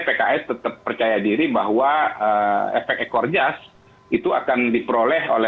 pks tetap percaya diri bahwa efek ekor jas itu akan diperoleh oleh